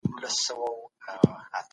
که ښه خلک کار وکړي، هېواد به ودان شي.